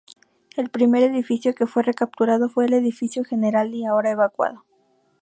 El primer edificio que fue recapturado fue el Edificio Generali, ahora evacuado.